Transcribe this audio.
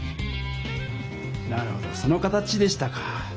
なるほどその形でしたか！